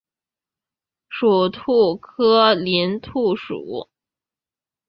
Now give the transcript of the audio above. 属兔科林兔属。